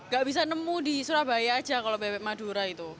gak bisa nemu di surabaya aja kalau bebek madura itu